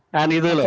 nah itu lho